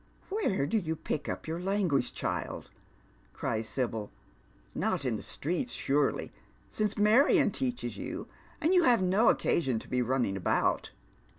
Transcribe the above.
"Where do you pick up your language, child ?" cries SibyL "Not in the streets surely, since Marion teaches you, and you have no occasion to be running about."